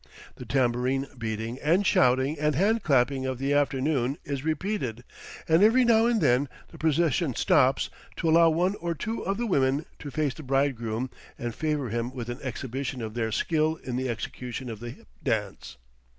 The tambourine beating and shouting and hand clapping of the afternoon is repeated, and every now and then the procession stops to allow one or two of the women to face the bridegroom and favor him with an exhibition of their skill in the execution of the hip dance.